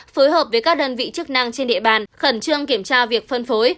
phối hợp với các đơn vị chức năng trên địa bàn khẩn trương kiểm tra việc phân phối